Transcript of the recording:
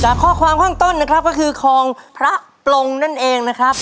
ข้อความข้างต้นนะครับก็คือคลองพระปลงนั่นเองนะครับ